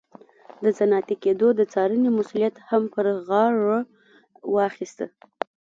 د صنعتي کېدو د څارنې مسوولیت هم پر غاړه واخیست.